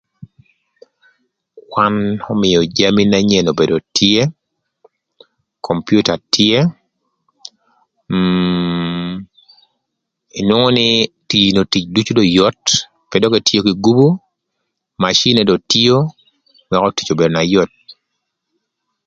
Kwan ömïö jami na nyen obedo tye, kompiuta tye, mmm inwongo nï tino tic ducu do yot, ba dökï etio kï gupu, macin ënë do tio, wëkö tic obedo na yot.